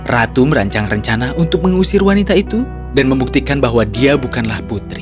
ratu merancang rencana untuk mengusir wanita itu dan membuktikan bahwa dia bukanlah putri